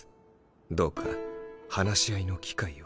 どうか話し合いの機会を。